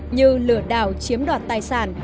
như lửa đảo chiếm đoạt tài sản